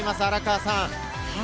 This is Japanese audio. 荒川さん。